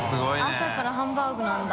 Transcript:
朝からハンバーグなんだ。